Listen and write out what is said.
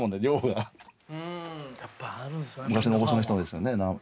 昔の大御所の人のですよね。